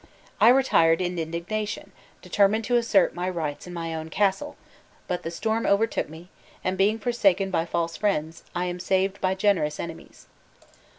I retired in indignation, determined to assert my own rights in my own castle, but the storm overtook me, and being forsaken by false friends, I am saved by generous enemies."